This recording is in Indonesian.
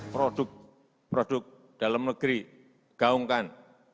produk produk dalam negeri gaungkan